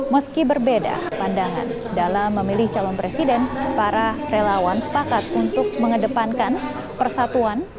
meski berbeda pandangan dalam memilih calon presiden para relawan sepakat untuk mengedepankan persatuan